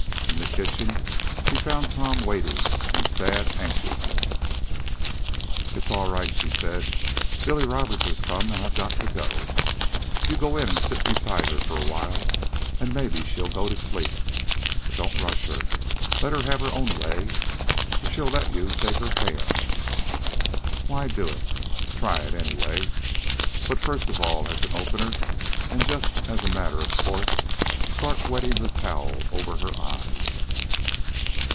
In the kitchen she found Tom waiting in sad anxiousness. "It's all right," she said. "Billy Roberts has come, and I've got to go. You go in and sit beside her for a while, and maybe she'll go to sleep. But don't rush her. Let her have her own way. If she'll let you take her hand, why do it. Try it, anyway. But first of all, as an opener and just as a matter of course, start wetting the towel over her eyes."